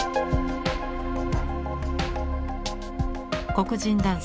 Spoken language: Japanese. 黒人男性